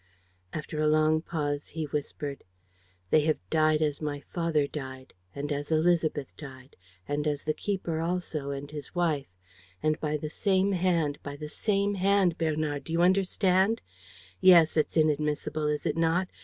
After a long pause, he whispered: "They have died as my father died ... and as Élisabeth died ... and the keeper also and his wife; and by the same hand, by the same hand, Bernard, do you understand? ... Yes, it's inadmissible, is it not?